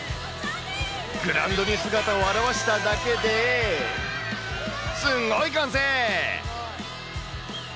グラウンドに姿を現しただけで、すごい歓声。